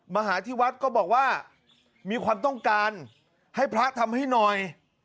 มาหาที่วัดก็บอกว่ามีความต้องการให้พระทำให้หน่อย